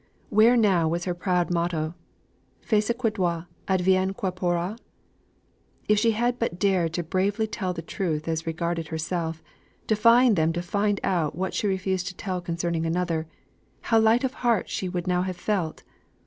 Where now was her proud motto, "Fais ce que dois, advienne que pourra?" If she had but dared to bravely tell the truth as regarded herself, defying them to find out what she refused to tell concerning another, how light of heart she would now have felt!